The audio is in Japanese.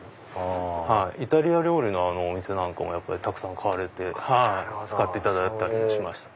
イタリア料理のお店なんかもたくさん買われて使っていただいたりもしました。